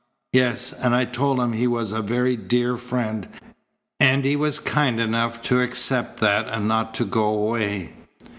"Yes, and I told him he was a very dear friend, and he was kind enough to accept that and not to go away."